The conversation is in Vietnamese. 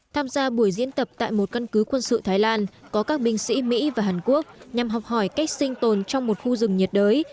tham gia buổi diễn tập tại một căn cứ quân sự thái lan có các binh sĩ mỹ và hàn quốc nhằm học hỏi cách sinh tồn trong một khu rừng nhiệt đới